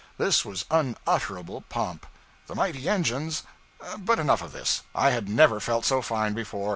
This was unutterable pomp. The mighty engines but enough of this. I had never felt so fine before.